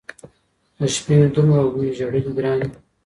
د شپې مي دومره وي ژړلي ګراني !